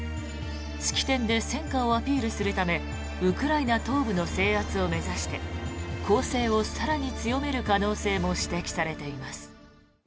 式典で戦果をアピールするためウクライナ東部の制圧を目指して攻勢を更に強める可能性も指摘されています。